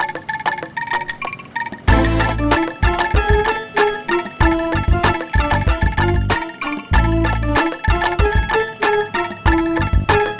tancang olehat behaviors